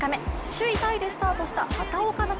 首位タイでスタートした畑岡奈